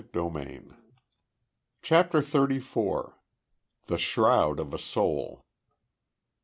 CHAPTER THIRTY FOUR. THE SHROUD OF A SOUL.